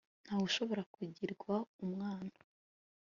ntawe ushobora kugirwa umwana